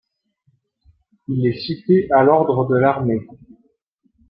Il est cité à l'ordre de l'armée.